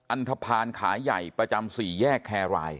อันทภาณขาใหญ่ประจำ๔แยกแครราย